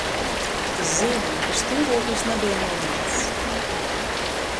Tys zeimoj, ka stuovūklis nabeja normals.